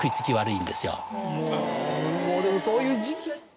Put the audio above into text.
もうでもそういう時期。